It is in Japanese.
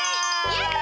やった！